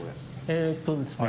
えーっとですね